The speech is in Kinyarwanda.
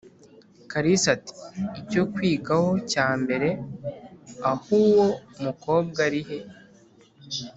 kalisa ati"icyo kwigaho cyambere ahuwo mukobwa arihe?"